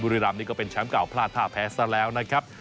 ริรามนี่ก็เป็นแชมป์เก่าพลาดท่าแพ้ซะแล้วนะครับ